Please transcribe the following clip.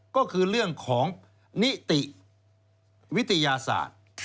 ก็คือเรื่องของนิติวิทยาศาสตร์